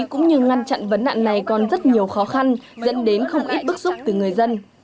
cũng như ngăn chặn vấn nạn này còn rất nhiều khó khăn dẫn đến không ít bức xúc từ người dân